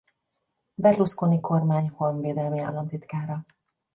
Berlusconi-kormány honvédelmi államtitkára.